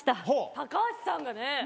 高橋さんがね。